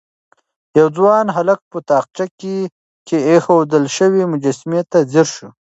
يو ځوان هلک په تاقچه کې ايښودل شوې مجسمې ته ځير شو.